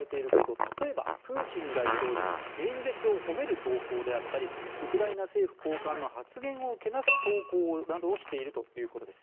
例えば、プーチン大統領の演説を褒める投稿であったりウクライナ政府高官の発言をけなす投稿などをしているということです。